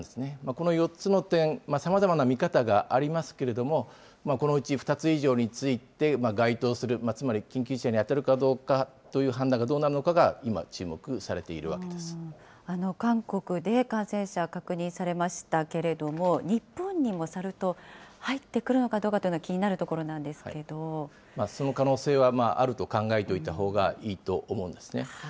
この４つの点、さまざまな見方がありますけれども、このうち２つ以上について、該当する、つまり緊急事態に当たるかどうかという判断がどうなるのかが、今、注目されて韓国で感染者確認されましたけれども、日本にもサル痘、入ってくるのかどうかというのは気にその可能性はあると考えておいたほうがいいと思うんですね。